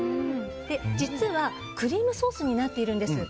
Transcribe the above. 実は、クリームソースになってるんです。